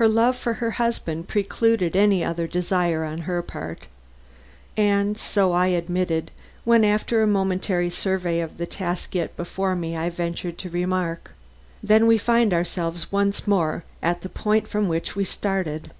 Her love for her husband precluded any other desire on her part. And so I admitted, when after a momentary survey of the task yet before me, I ventured to remark: "Then we find ourselves once more at the point from which we started.